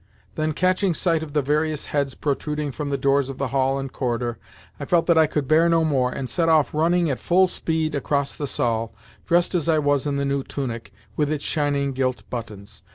Then, catching sight of the various heads protruding from the doors of the hall and corridor, I felt that I could bear no more, and set off running at full speed across the salle, dressed as I was in the new tunic, with its shining gilt buttons.